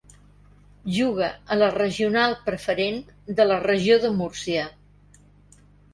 Juga a la Regional Preferent de la Regió de Múrcia.